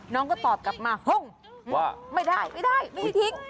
น้องก็ตอบกลับมาไม่ได้ไม่ได้ทิ้ง